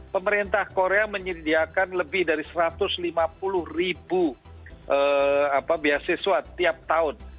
pemerintah korea menyediakan lebih dari satu ratus lima puluh ribu beasiswa tiap tahun